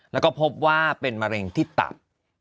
แล้วก็พบว่าเป็นมะเร็งที่ตับ